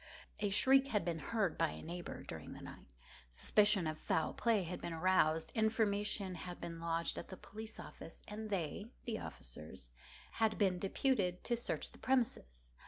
A shriek had been heard by a neighbour during the night; suspicion of foul play had been aroused; information had been lodged at the police office, and they (the officers) had been deputed to search the premises.